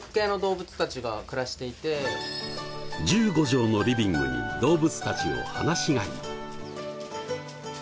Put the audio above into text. １５畳のリビングに動物たちを放し飼い。